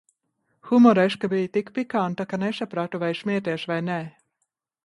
Humoreska bija tik pikanta, ka nesapratu vai smieties vai ne!